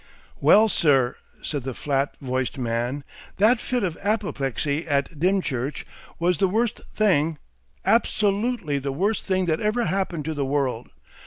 "Well, sir," said the flat voiced man, "that fit of apoplexy at Dyrnchurch was the worst thing absolutely the worst thing that ever happened to the world.